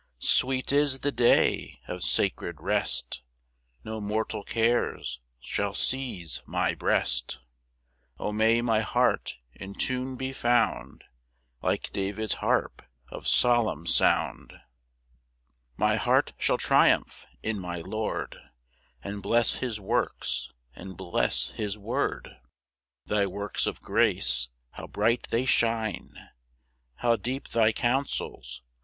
2 Sweet is the day of sacred rest, No mortal cares shall seize my breast; O may my heart in tune be found Like David's harp of solemn sound! 3 My heart shall triumph in my Lord, And bless his works, and bless his word; Thy works of grace, how bright they shine! How deep thy counsels!